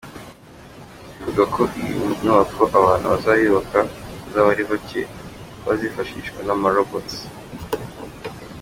Bivugwa ko iyi nubako abantu bazayubaka bazaba ari bake, kuko hazifashishwa n’ama-robots.